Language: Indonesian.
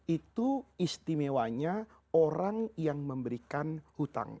itu istimewanya orang yang memberikan hutang